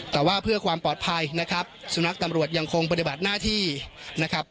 แต่ว่าเพื่อความปลอดภัยนะครับสุนัขตำรวจยังคงปฏิบัติหน้าที่นะครับ